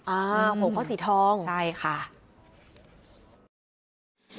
อ้าวผมเขาสีทองใช่ค่ะอืม